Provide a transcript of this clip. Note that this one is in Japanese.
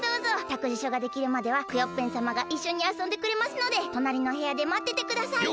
たくじしょができるまではクヨッペンさまがいっしょにあそんでくれますのでとなりのへやでまっててください。